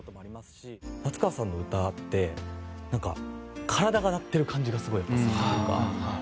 夏川さんの歌ってなんか体が鳴ってる感じがすごいやっぱするというか。